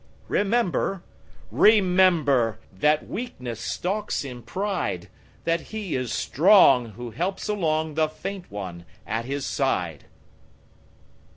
Remember, rememberThat weakness stalks in pride; That he is strong who helps alongThe faint one at his side.